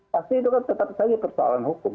pasti itu kan tetap saja persoalan hukum